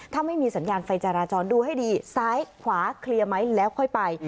ถ้าไม่มีสัญญาณไฟจราจรดูให้ดีซ้ายขวาเคลียร์ไหมแล้วค่อยไป